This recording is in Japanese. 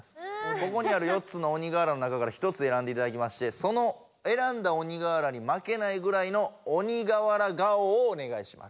ここにある４つの鬼瓦の中から１つえらんでいただきましてそのえらんだ鬼瓦にまけないぐらいの鬼瓦顔をおねがいします。